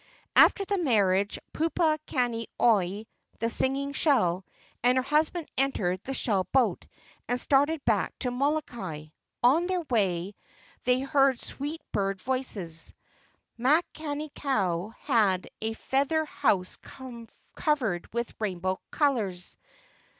After the marriage, Pupu kani oi (the singing shell) and her husband entered the shell boat, and started back to Molokai. On their way they LAU KA IEIE 47 heard sweet bird voices. Makani kau had a feather house covered with rainbow colors.